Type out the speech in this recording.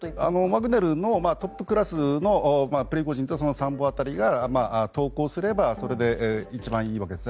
ワグネルのトップクラスのプリゴジンとその参謀辺りが投降すればそれが一番いいわけです